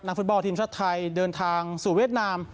ฟุตบอลทีมชาติไทยเดินทางสู่เวียดนาม